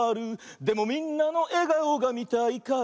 「でもみんなのえがおがみたいから」